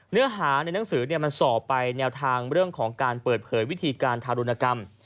เนื้อหาในหนังสือมันสอบไปแนวทางเรื่องของการเปิดเผยวิธีการทารุณกรรม